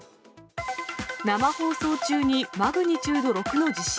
生放送中にマグニチュード６の地震。